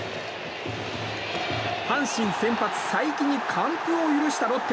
阪神先発、才木に完封を許したロッテ。